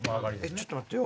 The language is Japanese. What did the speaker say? ちょっと待ってよ。